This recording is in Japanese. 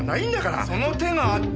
その手があった！